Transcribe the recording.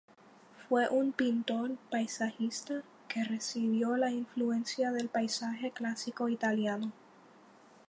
Fue un pintor paisajista que recibió la influencia del paisaje clásico italiano.